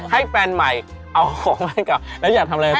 ให้แฟนใหม่เอาของไปก่อนแล้วอยากทำอะไร